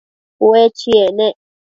Ue chiec nec